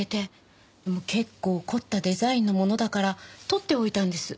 結構凝ったデザインのものだからとっておいたんです。